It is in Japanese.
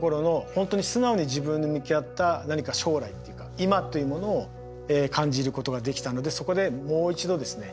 本当に素直に自分に向き合った何か将来っていうか今というものを感じることができたのでそこでもう一度ですね